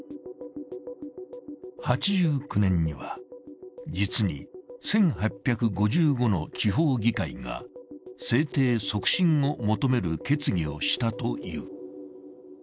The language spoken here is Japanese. ８９年には実に１８５５の地方議会が制定促進を求める決議をしたという。